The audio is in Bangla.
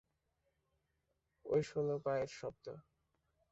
ওই শোনো পায়ের শব্দ।